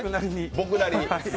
僕なりに。